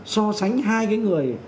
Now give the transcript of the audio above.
so sánh hai cái người